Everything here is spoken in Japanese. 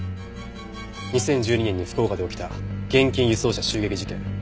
２０１２年に福岡で起きた現金輸送車襲撃事件。